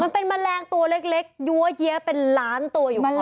มันเป็นแมลงตัวเล็กยัวเยี๊ยะเป็นล้านตัวอยู่ขอบเตียง